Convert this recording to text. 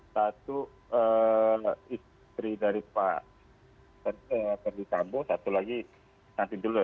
satu istri dari pak ferdisambo satu lagi nanti dulu ya